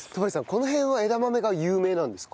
この辺は枝豆が有名なんですか？